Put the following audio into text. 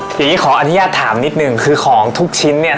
ทีนี้ขออนุญาตถามนิดนึงคือของทุกชิ้นเนี่ย